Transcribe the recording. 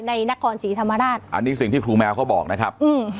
ในนครศรีธรรมราชอันนี้สิ่งที่ครูแมวเขาบอกนะครับอืม